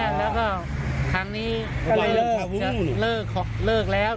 แล้วก็ครั้งนี้จะเลิกแล้ว